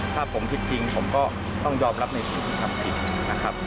ถ้าผมผิดจริงผมก็ต้องยอมรับในสิ่งที่ทำผิดนะครับ